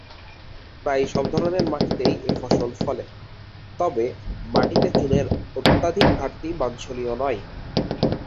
প্রায় সব ধরনের মাটিতেই এ ফসল ফলে, তবে মাটিতে চুনের অত্যধিক ঘাটতি বাঞ্ছনীয় নয়।